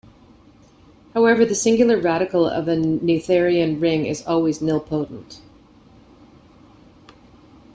However, the singular radical of a Noetherian ring is always nilpotent.